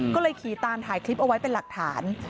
ก็เลยขี่ตามถ่ายคลิปเอาไว้เป็นหลักฐาน